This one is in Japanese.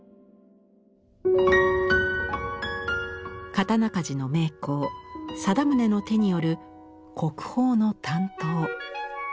刀鍛冶の名工貞宗の手による国宝の短刀。